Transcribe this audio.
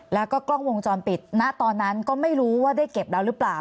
แล้วก็กล้องวงจรปิดณตอนนั้นก็ไม่รู้ว่าได้เก็บแล้วหรือเปล่า